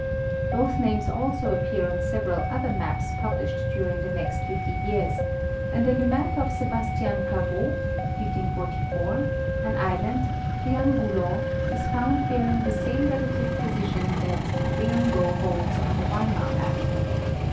Both names also appear on several other maps published during the next fifty years, and in the map of Sebastian Cabot (1544) an island, Triangulo, is found bearing the same relative position that Triango holds on the Weimar map.